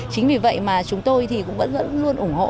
chính vì vậy mà chúng tôi thì cũng vẫn luôn ủng hộ